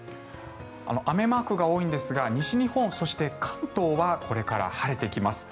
雨マークが多いんですが西日本、そして関東はこれから晴れてきます。